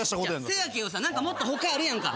せやけどさ何かもっと他あるやんか。